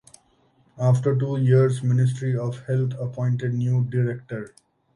After two years ministry of health appointed new director.